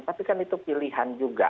tapi kan itu pilihan juga